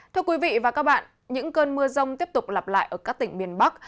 thưa quý vị và các bạn những cơn mưa rông tiếp tục lặp lại ở các tỉnh miền bắc